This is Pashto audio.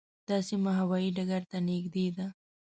دا سیمه هوايي ډګر ته نږدې ده.